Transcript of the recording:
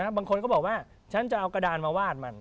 บางคนก็บอกว่าฉันจะเอากระดานมาวาดมัน